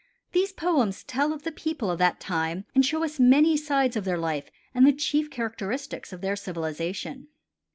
These poems tell of the people of that time and show us many sides of their life and the chief characteristics of their civilization.